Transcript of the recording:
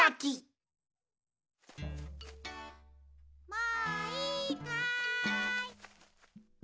・もういいかい。